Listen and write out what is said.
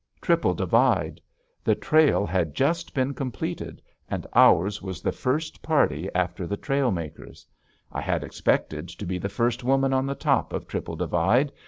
Triple Divide. The trail had just been completed, and ours was the first party after the trail makers. I had expected to be the first woman on the top of Triple Divide.